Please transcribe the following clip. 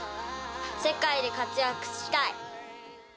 世界で活躍したい。